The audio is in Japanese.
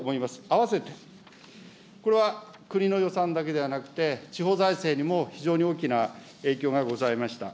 あわせて、これは、国の予算だけではなくて、地方財政にも非常に大きな影響がございました。